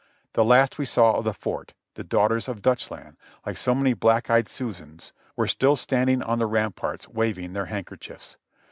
The last we saw of the Fort, the daughters of Dutchland, like so many black eyed Susans, were still standing on the ramparts waving their handkerchiefs.